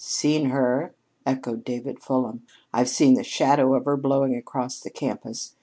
"Seen her?" echoed David Fulham. "I've seen the shadow of her blowing across the campus.